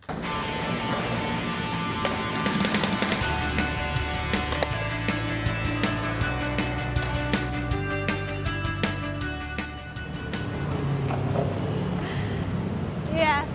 selamat datang di jenderal sudirman